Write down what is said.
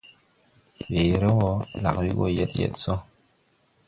Weere wɔ, lag we go yeg yeg sɔ.